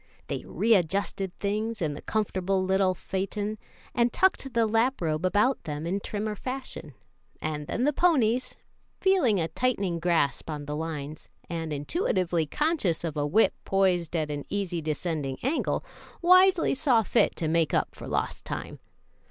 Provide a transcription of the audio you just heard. They readjusted things in the comfortable little phaeton and tucked the lap robe about them in trimmer fashion, and then the ponies, feeling a tightening grasp on the lines, and intuitively conscious of a whip poised at an easily descending angle, wisely saw fit to make up for lost time.